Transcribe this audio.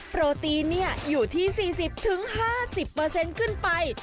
โปรตีนอยู่ที่๔๐๕๐ขึ้นไป